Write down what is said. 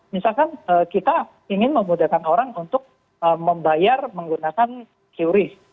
misalkan kita ingin memudahkan orang untuk membayar menggunakan qris